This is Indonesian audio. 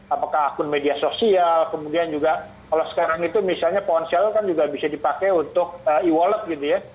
apakah akun media sosial kemudian juga kalau sekarang itu misalnya ponsel kan juga bisa dipakai untuk e wallet gitu ya